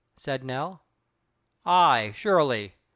said Nell. "Ay, surely.